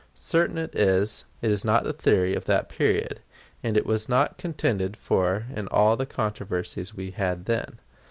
Certain it is, it was not the theory of that period, and it was not contended for in all the controversies we had then.